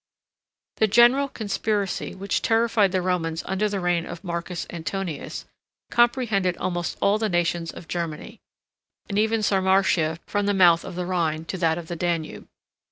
] The general conspiracy which terrified the Romans under the reign of Marcus Antoninus, comprehended almost all the nations of Germany, and even Sarmatia, from the mouth of the Rhine to that of the Danube.